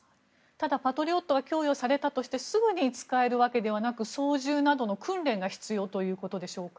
ただ、パトリオットが供与されたとしてすぐに使えるわけではなく操縦などの訓練が必要ということでしょうか？